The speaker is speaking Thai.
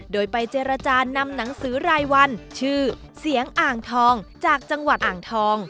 โดยไปเจรจานำหนังสือรายวันชื่อเสียงอ่างทองจากจังหวัดอ่างทอง